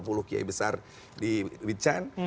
puluh kiai besar di wichan